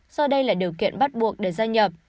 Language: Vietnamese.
do đây là điều kiện bắt buộc để gia nhập